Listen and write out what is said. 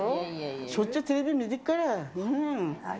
しょっちゅうテレビで見てっから、うん。